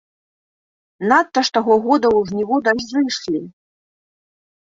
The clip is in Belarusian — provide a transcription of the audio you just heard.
Надта ж таго года ў жніво дажджы ішлі.